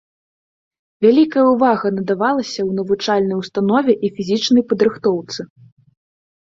Вялікая ўвага надавалася ў навучальнай установе і фізічнай падрыхтоўцы.